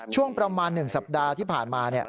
ช่วงประมาณ๑สัปดาห์ที่ผ่านมา